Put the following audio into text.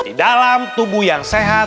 di dalam tubuh yang sehat